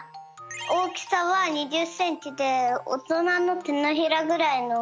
おおきさは２０センチでおとなのてのひらぐらいのおおきさだよ。